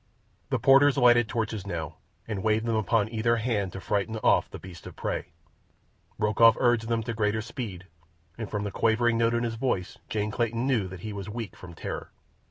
The porters lighted torches now and waved them upon either hand to frighten off the beasts of prey. Rokoff urged them to greater speed, and from the quavering note in his voice Jane Clayton knew that he was weak from terror.